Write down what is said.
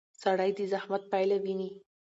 سړی د زحمت پایله ویني